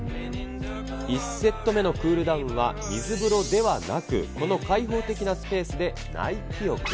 １セット目のクールダウンは、水風呂ではなく、この開放的なスペースで内気浴。